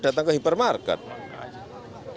datang ke supermarket datang ke hypermarket